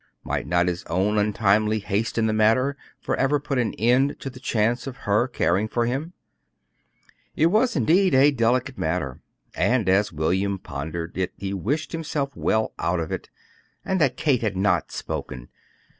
Might not his own untimely haste in the matter forever put an end to the chance of her caring for him? It was, indeed, a delicate matter, and as William pondered it he wished himself well out of it, and that Kate had not spoken.